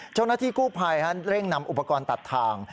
เจ้าหน้าที่กู้ภัยเร่งนำอุปกรณ์ตัดทาง